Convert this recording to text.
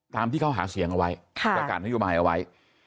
ตามที่เขาหาเสียงเอาไว้ประกาศนโยบายเอาไว้